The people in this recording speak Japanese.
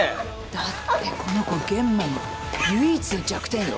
だってこの子諫間の唯一の弱点よ。